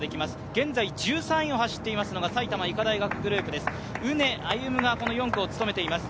現在１３位を走っていますのが埼玉医科大学グループです。